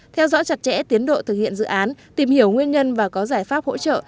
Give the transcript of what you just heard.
theo dõi chặt chẽ tiến độ thực hiện dự án tìm hiểu nguyên nhân và có giải pháp hỗ trợ